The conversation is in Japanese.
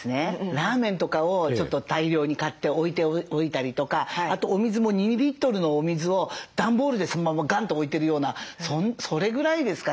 ラーメンとかをちょっと大量に買って置いておいたりとかあとお水も２リットルのお水を段ボールでそのままガンと置いてるようなそれぐらいですかね。